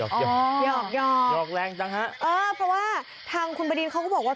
หยอกหอกหยอกแรงจังฮะเออเพราะว่าทางคุณบดินเขาก็บอกว่า